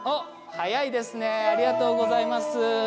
早いですねありがとうございます。